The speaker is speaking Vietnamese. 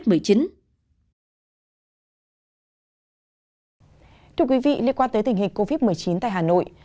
thưa quý vị liên quan tới tình hình covid một mươi chín tại hà nội